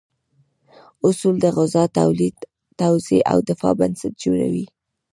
اصول د غذا تولید، توزیع او دفاع بنسټ جوړوي.